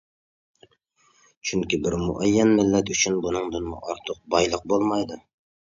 چۈنكى بىر مۇئەييەن مىللەت ئۈچۈن بۇنىڭدىنمۇ ئارتۇق بايلىق بولمايدۇ.